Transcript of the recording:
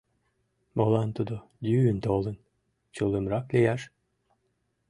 Молан тудо йӱын толын, чулымрак лияш?